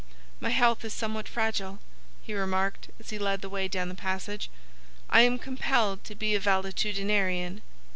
"My health is somewhat fragile," he remarked, as he led the way down the passage. "I am compelled to be a valetudinarian."